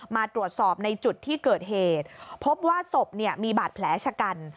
มาตรวจสอบในจุดที่เกิดเหตุพบว่าศพมีบาดแผลชะกัน